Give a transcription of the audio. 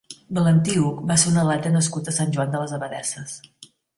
Valentí Huch va ser un atleta nascut a Sant Joan de les Abadesses.